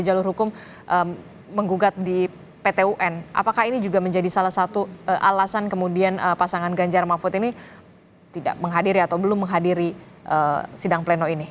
apakah ini juga menjadi salah satu alasan kemudian pasangan ganjar dan mahfud ini tidak menghadiri atau belum menghadiri sidang pleno ini